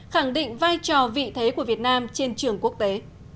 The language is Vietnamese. khẳng định vai trò vị thế của việt nam trên trường quốc tế